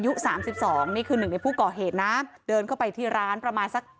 สามสิบสองนี่คือหนึ่งในผู้ก่อเหตุนะเดินเข้าไปที่ร้านประมาณสัก